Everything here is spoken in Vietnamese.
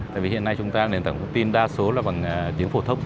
tại vì hiện nay chúng ta nền tảng thông tin đa số là bằng tiếng phổ thông